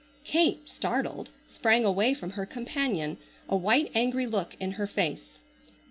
Kate, startled, sprang away from her companion, a white angry look in her face.